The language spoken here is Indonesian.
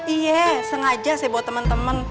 iya sengaja sih buat temen temen